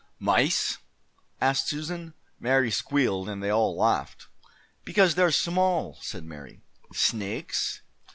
"Mice?" asked Susan. Mary squealed, and they all laughed. "Because they're small," said Mary. "Snakes?"